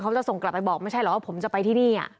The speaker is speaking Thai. จะส่งกลับไปบอกไม่ใช่เหรอว่าผมจะไปที่นี่